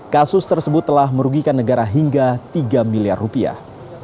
kasus tersebut telah merugikan negara hingga tiga miliar rupiah